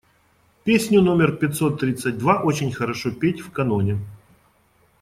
Песню номер пятьсот тридцать два очень хорошо петь в каноне.